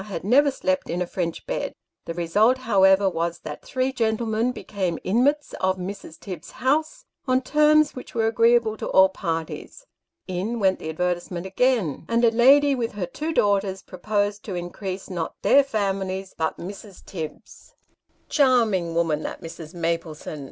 had never slept in a French bed. The result, however, was, that three gentlemen became inmates of Mrs. Tibbs's house, on terms which were " agreeable to all parties." In went the advertisement again, and a lady with her two daughters, proposed to increase not their families, but Mrs. Tibbs's. " Charming woman, that Mrs. Maplesone